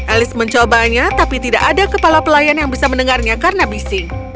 alice mencobanya tapi tidak ada kepala pelayan yang bisa mendengarnya karena bising